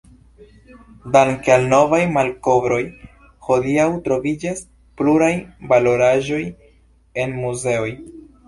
Danke al novaj malkovroj, hodiaŭ troviĝas pluraj valoraĵoj en muzeoj.